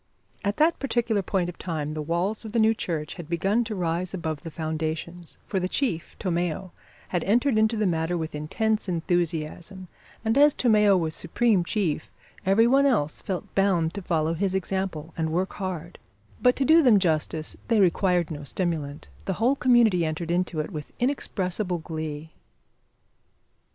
At that particular point of time the walls of the new church had begun to rise above the foundations, for the chief, Tomeo, had entered into the matter with intense enthusiasm, and as Tomeo was supreme chief, every one else felt bound to follow his example and work hard; but, to do them justice, they required no stimulant; the whole community entered into it with inexpressible glee.